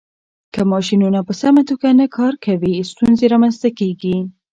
که ماشينونه په سمه توګه نه کار کوي، ستونزې رامنځته کېږي.